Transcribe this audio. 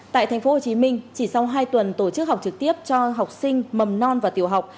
tại thành phố hồ chí minh chỉ sau hai tuần tổ chức học trực tiếp cho học sinh mầm non và tiểu học